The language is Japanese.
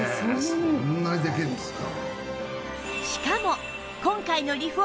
そんなにできるんですか。